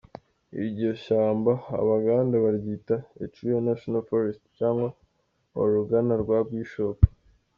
Iryo shyamba Abaganda baryita “Echuya National Forest” cyangwa “Orugano rwa Bishop”.